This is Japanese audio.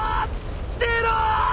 出ろ！